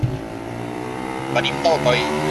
Venim d'Alcoi.